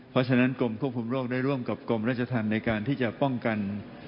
เพราะฉะนั้นกรมควบคุมโรคได้ร่วมกับกรมราชธรรมในการที่จะป้องกัน